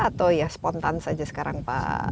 atau ya spontan saja sekarang pak